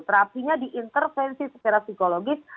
terapinya diintervensi secara psikologis